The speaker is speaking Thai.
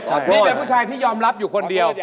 ที่เป็นผู้ชายที่ยอมรับอยู่คนเดียว